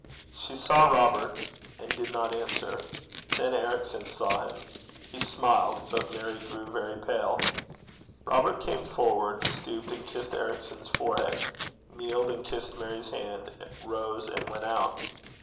She saw Robert and did not answer. Then Eric saw him. He smiled; but Mary grew very pale. Robert came forward, stooped and kissed Ericson's forehead, kneeled and kissed Mary's hand, rose and went out.